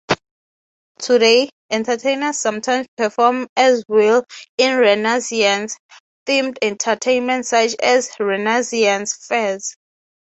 Today, entertainers sometimes perform as 'Will' in Renaissance-themed entertainments such as Renaissance faires.